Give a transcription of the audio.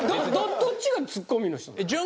どっちがツッコミの人なん？